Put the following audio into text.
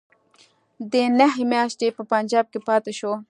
دی نهه میاشتې په پنجاب کې پاته شو.